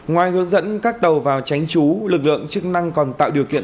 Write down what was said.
ngoài hướng dẫn các tàu vào tránh trú